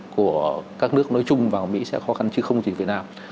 của các nước nói chung và mỹ sẽ khó khăn chứ không chỉ việt nam